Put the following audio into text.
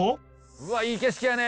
うわいい景色やね。